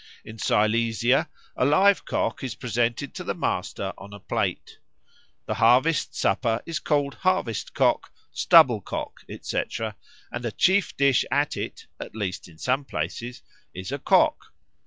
In Silesia a live cock is presented to the master on a plate. The harvest supper is called Harvest cock, Stubble cock, etc., and a chief dish at it, at least in some places, is a cock.